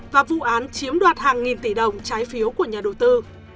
và vụ án chiếm đoạt hàng nghìn tỷ đồng trái phiếu của nhà đầu tư